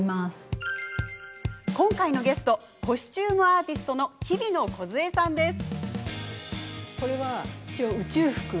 今回のゲストコスチューム・アーティストのひびのこづえさんです。